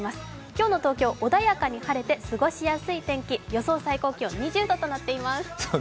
今日の東京、穏やかに晴れて過ごしやすい天気、予想最高気温２０度となっています。